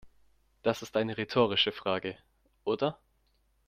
Das ist eine rhetorische Frage, oder?